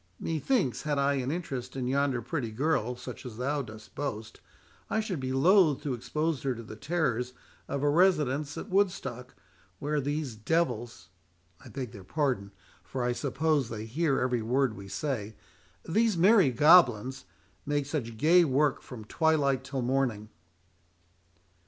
"Methinks had I an interest in yonder pretty girl, such as thou dost boast, I should be loth to expose her to the terrors of a residence at Woodstock, where these devils—I beg their pardon, for I suppose they hear every word we say—these merry goblins—make such gay work from twilight till morning."